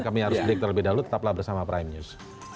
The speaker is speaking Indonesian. kami harus beritahu lebih dahulu tetaplah bersama prime news